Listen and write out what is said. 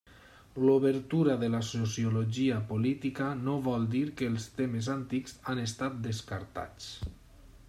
L'obertura de la sociologia política no vol dir que els temes antics han estat descartats.